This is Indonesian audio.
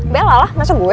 bella lah masa gue